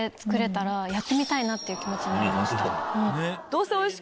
なっていう気持ちになりました。